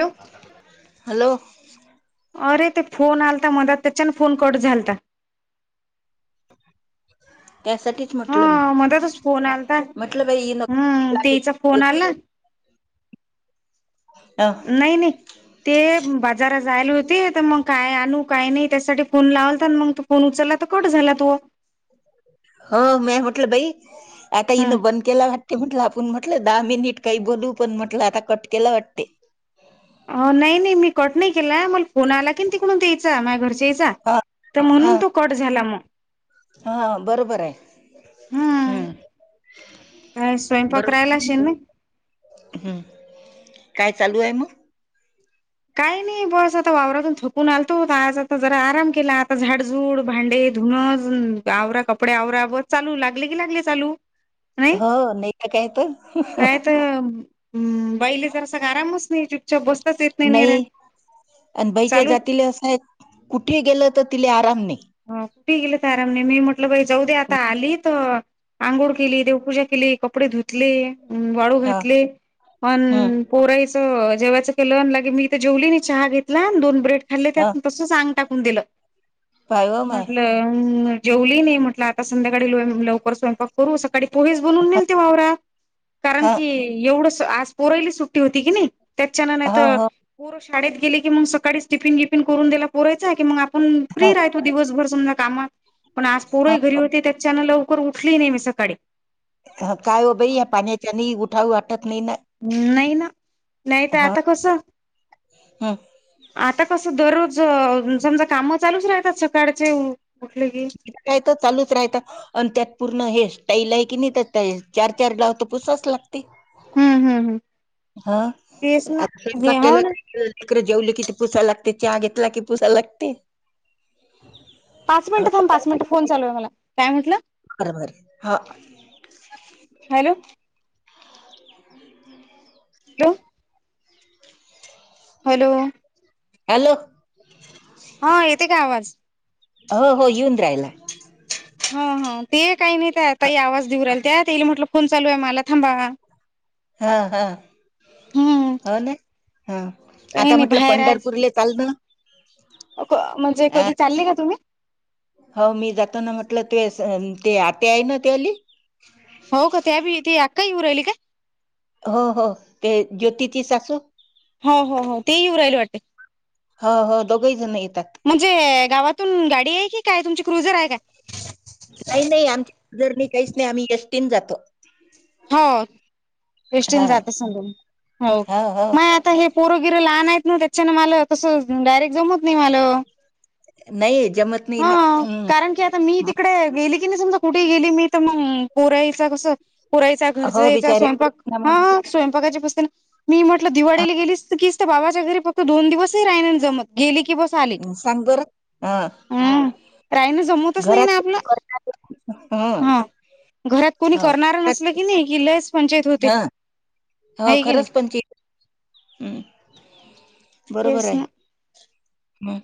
Hello. Hello. अरे ते phone आलता, मधात, त्याच्यान फोन कट झालता. ह. हा मधातच फोन आलाता, म्हटलं बाई इन हम्म. तेईचा फोन आला. [inaudible] नाही नाही ते बाजारात जायल होते, त मग काय आणू काय नाही त्यासाठी फोन लावलता, मग तू फोन उचलला त कट झाला तो. हो मी म्हटलं बाई आता हं. हनं बंद केला वाटते म्हटलं आपूण म्हटल दहा मिनिट काही बोलू पण, म्हटल आता कट केला वाटते. अ नाही नाही मी कट नाही केलाय. मला फोन आला कि तिकडून त्यायेचा, माझ्या घरच्यायचा हा तर हा म्हणून तो कट झाला मग. हा बरोबरे, हम्म. का स्वयंपाकरायला, बरोबर शेन नाही. हम्म काय चालू आहे मग काही नाही. बस आता वावरातून थकून आलतो होता आज आता जरा आराम केला आता झाडजूड भांडे धुण हम आवरा कपडे आवरा ब चालू लागले की लागले चालू. नाही हो नाही का काही काय तर बाईले जर सगळ आरामच नाही चुपचप बसतच येत. नाही आणि बाईच्या चालू जातीला असं आहे कुठे गेलं तर तिला आराम नाही. हो. कुठे गेले तर आरामने मी म्हटलं बाई जाऊद्या आता आली तर आंघोळ केली देवपूजा केली कपडे धुतले वाळू हा घातले हम्म पण पोराई जेवायचं केलं अन लगेच मी इथ जेवली नाही, चहा घेतला दोन ब्रेड खाल्ले हा त्यात तसं आगं टा कून दिलं, पाय हो माय म्हटलं जेवली नाही, म्हटलं आता संध्याकाळी लवकर स्वयंक करू, सक पोहेस बनून नेल ते वावरात, कारण हा कि एवढं आज पोरयली सुट्टी होती की नाही. त्याच्यान नाही हो त हो पोरं शाळेत गेले की मग सकाळीच टिफिन विफिन करून दिला पोरायचा की, मग आपण हा फ्री राहतो, दिवसभर समजा कामात, पण आज पोरही घरी होते त्याच्यान लव लवकर उठली नाही मी सकाळी. काय हो बाई या पाण्याच्यानी, उठाव वाटत नाही ना. नाही ना नाही तर आता कसं. ह. आता कसं दररोज समजा काम चालूच राहतात, सकाळचे. की. राय चालूच राहता आणि त्यात पूर्ण हे. स्टाईल आहे की नाही तर चार चार ग्व तर पुूसच लागत. हम्म हम्म हम्म हा तेच ना आता हे हाव केला. ना. तक जेवली कि ते पुसा लागते चहा घेतला कि पुसा लागते. पाच मिनिटं थांब पाच मिनिटं फोन चालू आहे मला काय म्हटलं. बर मर हा. Hello hello. हॅलो. हॅलो. हा येते का आवाज हो हो येऊन राहिला. हो ह ते काही नाही त्या ताई आवाज देऊराल त्यात ये म्हटलं फोन चालू आहे मला थांबा. हा हा. हम्म हो ना हा काही आता नाही म्हटलं बाहेर आज पंढरपूरले चाल ना. म्हणजे अ कधी चालली का तुम्ही हो मी जातो ना म्हटलं तु ते आते आहे ना तेली हो का त्या बी ती अक्काहीऊ राहिली का? हो हो ते ज्योतिती सासू हो हो हो तेहीऊ राहियला वाटते. हो हो दोघही जण येतात म्हणजे गावातून गाडी आहे कि काय तुमची क्रुझर आहे काय? नाही नाही आमची जर्नी काहीच नाही आम्ही यष्टीन जातो. हो यष्टीन हो, जात सगून हो म आता हे. पोरबीर लहान आहेत ना त्याच्यान मला तसं डायरेक्ट जमत नाही मला नाही. जमत नाही ना. हा हं. कारण की आता मी तिकडे गेली. नाही समजा कुठे गेली मी तर मग पोराईच कसं. पुरायचा घरचा हो यायचा बिचारे स्वयंपाक ना मग हा स्वयंपाकाची पस्तेन मी म्हटलं हा, दिवाळीली गेलीस की बाबाच्या घरी फक्त दोन दिवसही राहि जमत, गेली. ् सांग बर, हा. हम राईन जमवतच नाही ना आपलं‌. करतात. हं, हा, घरात कोणी हो. करणार नसल की नाही कि लयच पंचायत होते हां. आहे की नाही. हम्म, बरोबर तेच आहे ना हम.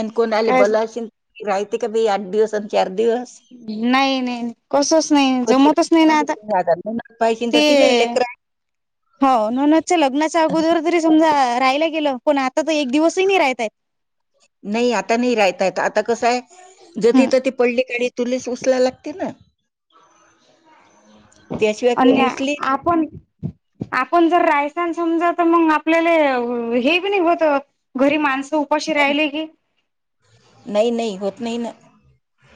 आणि कोण आले काय बला असशल राहते का बी आठ दिवस आणि चार दिवस. नाही, नाही नाही, कसच नाही, कोणी जमतच नाही ना राहते, आता,, कोणी राहतात. म्हणून पाहिजे तर तिलेही तेऽ लेकरं हो, नूनच्या लग्नाच्या अगोदर तरी समजा,,, राहाला गेलं, पण आताऽ आता तर एक दिवसही नाही राहताय. नाही आता नाही राहता येत. आता कसंय,, जती तती पडली काडी तुलाच उचला लागते ना. त्याशिवाय कोण अनी उचलीत आपण, आपण जर रायसान समजऽ मग आपल्या हेी नाही होत,, घरी माणसऽ ऊपाशी नाही. राहिले की नाही, नाही होत नाही ना.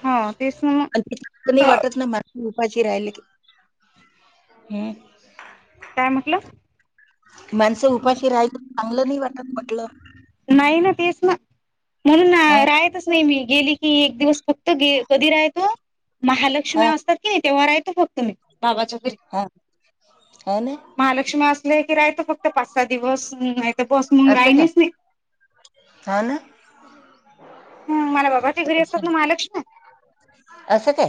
हो तेच ना मग नाही वाटत ना मर्धज्ञ उपाशी राहिल कि हम्म. काय म्हटलं माणसं उपाशी राहायला चांगलं नाही वाटत म्हटलं. नाही ना तेच ना म्हणून हं राहतच नाही मी. गेली की एक दिवस फक्त गे, कधी राहतो, महालक्ष्मी हा असतात की तेव्हा राहो. तुमी, बाबाच्या घरी हा हो ना महालक्ष्मी असले की राय तो. पाच, सहा दिवस, नाही तर बस मग असं काय राहिलेच नाही. हो ना ह, मला बाबाच्या घरी असतात असं ना महालक्ष्मीऽ असं काय?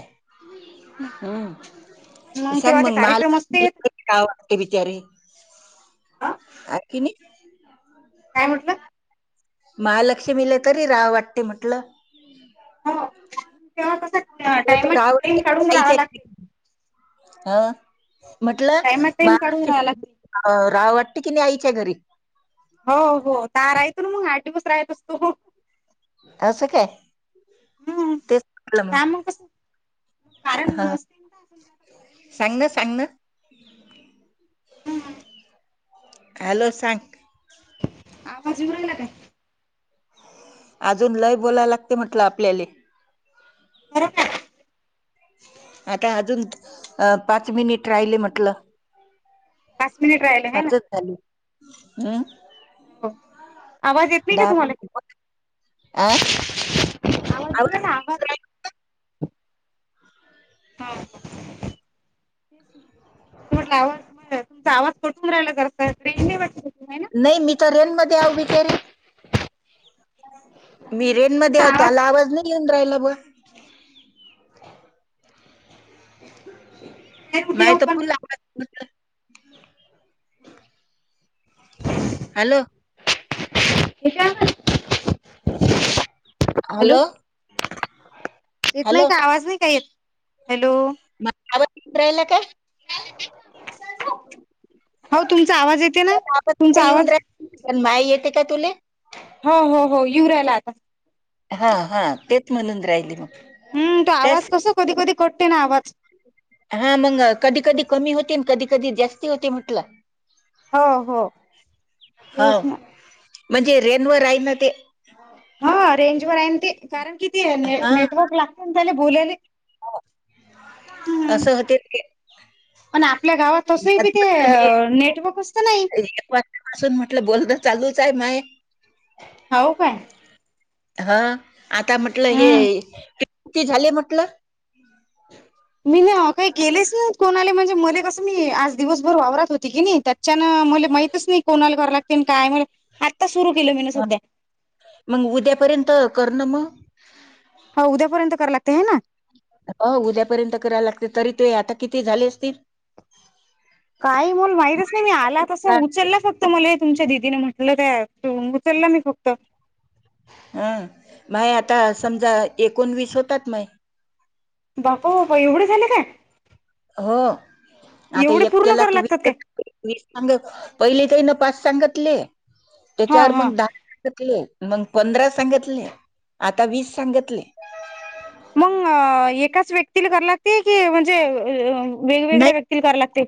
हम्म. मग सांग तेव्हा ते मंग,, महाल् कार्यक्रम असते वाटते बिचारेऽ किनी, काय म्हटलं? महालक्ष्मीला तरी राव वाटते म्हटल,, हा, त गावय राहावा लागते हा [inaudible] म्हटलं, टाइमात टाइम काढून महाराष्ट,, राहावा लागते राव वाटते की नाही आईच्या घरी? हो हो, ताराय तो ना मग आठ दिवस वस राहतस तोऽ असं काय? हम्म तेच म्हटलं मग. त्या कसं मग कारण हं नसते, समजा सांग ना सांग ना [inaudible] हम्म, हॅलो,, सांग. आवाज एउ रायला काय? अजून लय बोलाय लागते म्हटलं आपल्याला.. बरोबर, आता अजून पाच मिनिट राहिले म्हटलं. पाच मिनिट राहिले आहे ना पाचच झाली,, हम्. आवाज येत नाही का दहा तुम्हाला? मिनिट आ, आवाज येऊ राहिला आवाज [inaudible] हा, तेट आवाज तुमचा, आवाज कठून राहिला, जत ट्रेन नाही वाटऽ नाही मी तर रेन मध्ये आव बिचारेऽ मी रेन मध्ये तुमचा आतो, आला की आवाज मी नाही घेऊन राहिला बऽ [inaudible] बाहेर उभी माही आहे तर आपण पुून लाऽ हॅलो हे का हॅलो येत नाही हॅलो का आवाज नाही का येत हॅलो माझा आवाज युन राहिला काय हौ तुमचा आवाज येते ना माझा आवाज तुमचा काय येऊन आवाज राहिला पण माय येते का तुले हो हो हो यू राहिला आता आता हा हा तेच म्हणून राहिली मग हम्म तो आवाज त्याच कस कधी कधी कट [unintelligible] आवाज हा मंग कधी कधी कमी होते आणि कधी कधी जास्ती होते म्हटलं हो हो हाव तेच ना म्हणजे रेनवर राई ना ते हा रेंज वर हायना ते कारण किती हां, ने-नेटवर्क लागते ना त्याले बोलेले [inaudible] असं होते पण आपल्या गावात तसही आता बी ते म्हटलं मी नेटवर्कच तर नाही एक वाजतापासून म्हटलं बोलण चालू [unintelligible] हौ काय हा आता म्हटलं हम्म हेती झाले म्हटल मी ना काही केलेच ना कोणाले म्हणजे मले कसं मी आज दिवसभर वावरात होती की नई त्याच्यान म माहीतच नई कोणाला घरला तीन काय आता हा मंग उद्यापर्यंत करणं मग ते ना हो उद्यापर्यंत करायल लागते तरी ते आता किती झाले असतील काय मल माहितच नाही माय मी आला तसं उचलला फक्त मले तुमच्या दिदीनं म्हटलं त्या उचलला मी फक्त हां, माय आता समजा एकोणवीस होतात मय बापा बापा एवढं झाले काय हो आता एवढे पूर्ण एकक्याला करा की लागतात वस काय सांग पहिले काही न पाच सांगतले हा त्याच्यावर हा मग दहा मग पंधरा सांगितले आता वीस सांगितले मंग एकाच व्यक्तीला [unintelligible] लागते की म्हणजे नाही वेगवेगळ्या व्यक्तीला करा लागते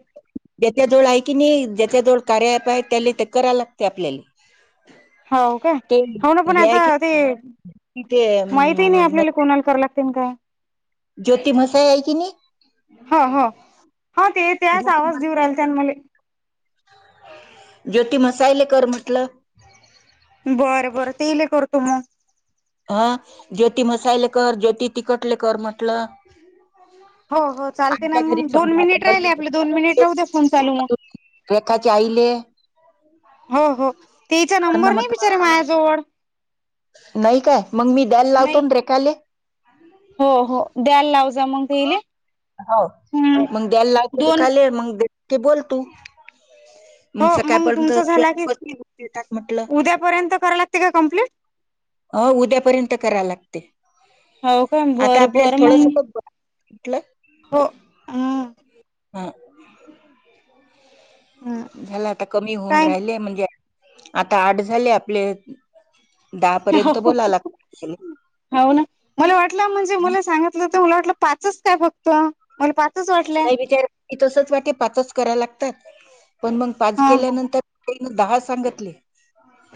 जेत्या जोळ आहे क नाही च्या जवळ कार्य अ‍ॅप आय त्याले ते करा लागते आपल्याला हौ का ते हौ ना पण हे आहे आता की ते नाही ते अं, माहितीही नई म- आपल्याला कोणाला करां लागते न काय ज्योती म्हसे हाय कि नाई हो हो हा ते त्याच ज्योती आवाज देऊ म्हसाय- राहिल [unintelligible] ज्योती म्हसायले कर म्हटलं बरं बरं तेले करतो मग हा ज्योती मसायले कर ज्योती तिकटले कर म्हटलं हो हो चालते ना आमच्या मग घरी दोन समजा आता मिनिट राहिले आपले दोन मिनिट राहू द्या फोन चालू म रेखाचे आईले हो हो तेचा नंबर नाही बिचार्या मायाजवळ नाय काय मग मी द्याला लावतो नाही रेखाले हो हो द्यायला लावत हौ मग द्याला ला दोन खाले मग बोल तू [inaudible] हो मग मंग सकाळपर्यंत तुमचं झाला की येतात म्हटलं उद्या पर्यंत करा लागते का कमप्लीट अ उद्यापर्यंत करा लागते. हव काय? आता बरं आपल्याला बरं थोडस मंग. म्हटलं हो हम्. हं हम्म झाला आता कमी होऊन काय राहिलेय म्हणजे आता आठ झाले आपले दहा पर्यंत बोला लागतात हाव ना मला वाटलं म्हणजे मला सांगितलं मला वाटलं पाचच काय फक्त? पाचच वाटलंय नाही विचार की तसच वाटे पाचच करा लागता. पण मंग पाच हा केल्यानंतर दहा सांगितले.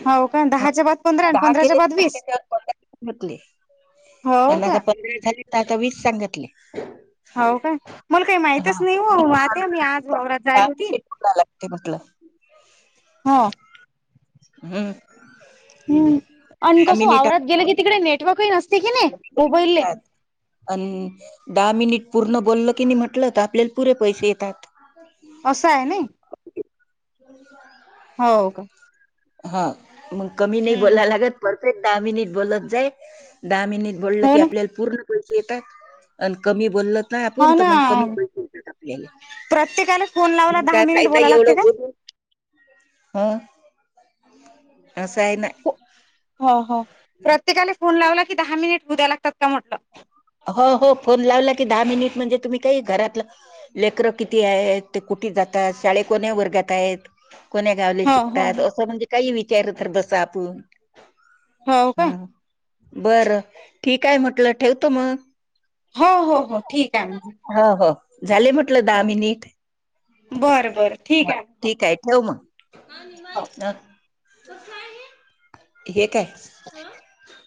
हा हो का दहाच्या बाद पंधरा आणि दहा पंधराच्या केले बाद वीस [unintelligible] घेतले. हो आणि आता का पंधरा झाले तर आता वीस सांगितले. हाव का मला काही हा माहितच नाही मी वो काल वाहत्या मी आज वावरात काय जायल होती. बोलायला लागते ते म्हटलं हो. हम्म. हम्म आणि दहा कसं मिनिट वावरात गेलं कि तिकडे नेटवर्कही नसते की नी? त्यात अ दहा मिनिट पूर्ण बोललं की नी म्हटलं तर आपल्याला पुरे पैसे येतात. असं आहे नई. हाव का? हा मग कमी नई हम्म बोला लागत हम्म परफेक्ट दहा मिनिट बोलत जाई दहा मिनीट बोललं हो की ना आपल्याला पूर्ण पैसे येतात आणि कमी बोलल नाही आपूण हो तर ना मंग कमी पैसे येतात. आपल्याला प्रत्येकाला फोन लावला मंग दहा काय मिनिट फायदा बोलाय लागते एवढं का बोलून. हम्म अस आहे ना. हो हो प्रत्येकाला फोन लावला की दहा मिनिट हू द्या लागतात का म्हटलं हो हो फोन लावला की दहा मिनिट म्हणजे तुम्ही काही घरात लेकर किती आहेत ते कुठे जातात शाळे कोन वर्गात आहेत. कोण्या गावले हो हो शिकतात असं म्हणजे काही विचार तर बसा आपूण. हो हो हा काय बरं ठीक आहे म्हटलं ठेवतो म. हो हो हो ठीक आहे मग ह हो झाले म्हटलं दहा हो मिनिट. बरं बरं ठीक हा, आहे. ठीक ठेव मग हो. हे काय.